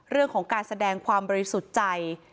เรื่องของการแสดงความบริสุทธิ์ใจ